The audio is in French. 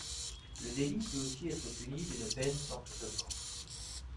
Le délit peut aussi être puni d’une peine d’emprisonnement.